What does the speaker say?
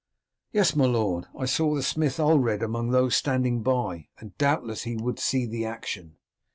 "Yes, my lord; I saw the smith Ulred among those standing by, and doubtless he would see the action."